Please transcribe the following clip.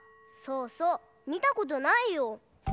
そうそうみたことないよ。